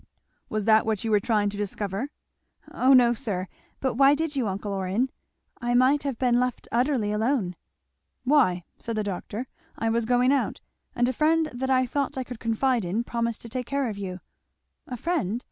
"Was that what you were trying to discover?" "Oh no, sir! But why did you, uncle Orrin? I might have been left utterly alone." "Why," said the doctor, "I was going out, and a friend that I thought I could confide in promised to take care of you." "A friend!